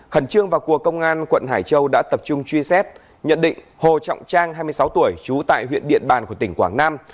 khẩn trương vào cuộc công an quận hải châu đã tập trung truy xét nhận định hồ trọng trang hai mươi sáu tuổi trú tại huyện điện bàn của tỉnh quảng nam